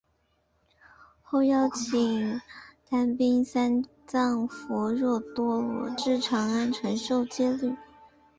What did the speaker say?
后邀请罽宾三藏弗若多罗至长安传授戒律。